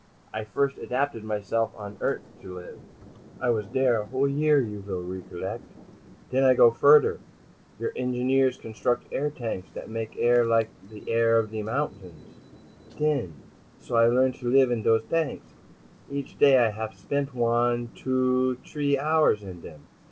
I first adapted myself on Eart' to live. I was dere a whole year, you vill recollect. Den I go further. Your engineers construct air tanks dat make like de air of mountains, t'in. So, I learn to live in dose tanks. Each day I haf spent one, two, three hours in dem.